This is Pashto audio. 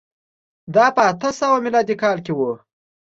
دا په اتو سوه میلادي کال کې و